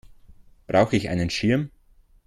Brauche ich einen Schirm?